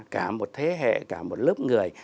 cả một thế hệ cả một lớp người